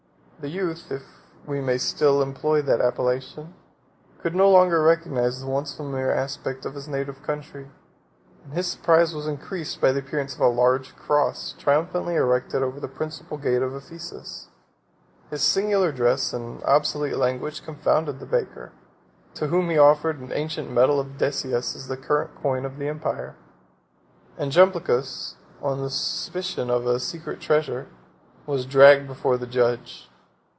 The youth (if we may still employ that appellation) could no longer recognize the once familiar aspect of his native country; and his surprise was increased by the appearance of a large cross, triumphantly erected over the principal gate of Ephesus. His singular dress, and obsolete language, confounded the baker, to whom he offered an ancient medal of Decius as the current coin of the empire; and Jamblichus, on the suspicion of a secret treasure, was dragged before the judge.